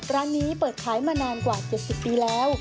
ร้านนี้เปิดขายมานานกว่า๗๐ปีแล้ว